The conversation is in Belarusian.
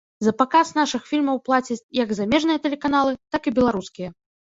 За паказ нашых фільмаў плацяць як замежныя тэлеканалы, так і беларускія.